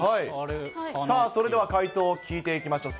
さあ、それでは解答を聞いていきましょう。